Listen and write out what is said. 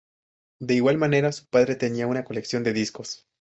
De igual manera su padre tenía una colección de discos.